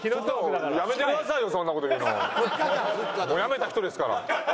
もうやめた人ですから。